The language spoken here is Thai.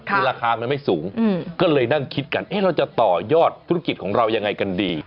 คือราคามันไม่สูงก็เลยนั่งคิดกันเราจะต่อยอดธุรกิจของเรายังไงกันดี